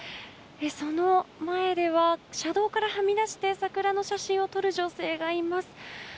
その前では車道からはみ出して桜の写真を撮る女性がいます。